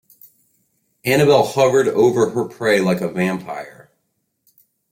Annabel hovered over her prey like a vampire.